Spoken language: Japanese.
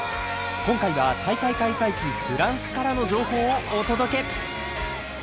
今回は大会開催地フランスからの情報をお届け！